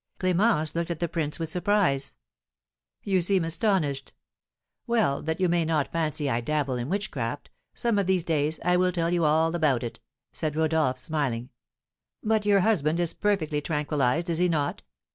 Clémence looked at the prince with surprise. "You seem astonished. Well, that you may not fancy I dabble in witchcraft, some of these days I will tell you all about it," said Rodolph, smiling. "But your husband is perfectly tranquillised, is he not?"